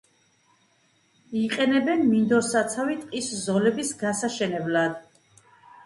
იყენებენ მინდორსაცავი ტყის ზოლების გასაშენებლად.